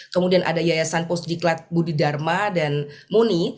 kemudian ada yayasan post diklat budhidharma dan muni